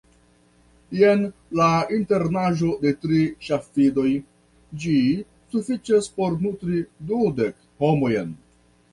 Jen la internaĵo de tri ŝafidoj: ĝi sufiĉas por nutri dudek homojn.